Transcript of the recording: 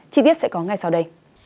chi tiết sẽ có ngay sau đây